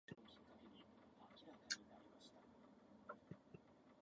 ムルシア州の州都はムルシアである